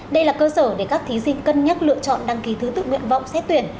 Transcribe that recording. đây là cơ sở để các thí sinh cân nhắc lựa chọn đăng ký thứ tự nguyện vọng xét tuyển